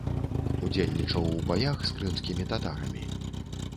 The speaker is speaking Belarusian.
Удзельнічаў у баях з крымскімі татарамі.